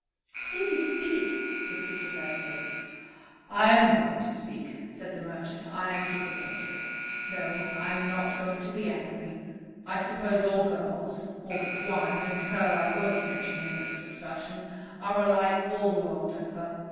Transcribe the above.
"Please speak," repeated Leslie. "I am going to speak," said the merchant. "I am disappointed. No, I am not going to be angry. I suppose girls, all but one, and her I won't mention in this discussion, are alike all the world over.